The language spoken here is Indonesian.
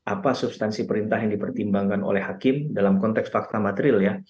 apa substansi perintah yang dipertimbangkan oleh hakim dalam konteks fakta materil ya